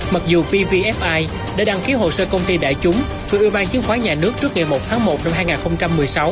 mặc dù pvfi đã đăng ký hồ sơ công ty đại chúng với ủy ban chứng khoán nhà nước trước ngày một tháng một năm hai nghìn một mươi sáu